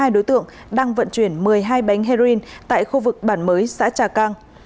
hai đối tượng đang vận chuyển một mươi hai bánh heroin tại khu vực bản mới xã trà cang